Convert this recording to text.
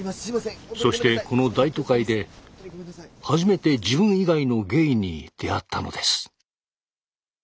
そしてこの大都会で初めて自分以外のゲイに出会ったのです。